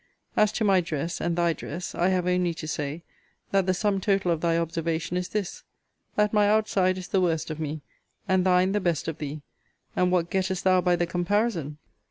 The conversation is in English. As to my dress, and thy dress, I have only to say, that the sum total of thy observation is this: that my outside is the worst of me; and thine the best of thee: and what gettest thou by the comparison?